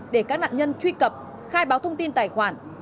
để các nạn nhân truy cập khai báo thông tin tài khoản